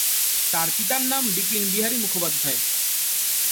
তার পিতার নাম বিপিন বিহারী মুখোপাধ্যায়।